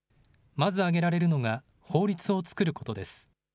まず挙げられるのが、法律を作ることです。